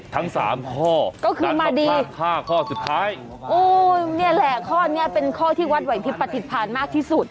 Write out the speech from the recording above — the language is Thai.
ทั้งสามข้อก็คือมาดีห้าข้อสุดท้ายโอ้นี่แหละข้อนี้เป็นข้อที่วัดไหวพิปฏิพันธ์มากที่สุด